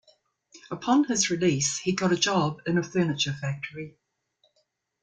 Upon his release he got a job in a furniture factory.